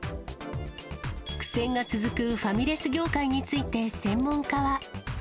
苦戦が続くファミレス業界について、専門家は。